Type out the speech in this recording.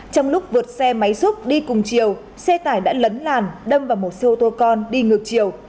trong lúc vượt xe máy xúc đi cùng chiều xe tải đã lấn làn đâm vào một xe ô tô con đi ngược chiều